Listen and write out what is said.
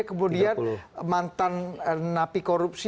kemudian mantan napi korupsi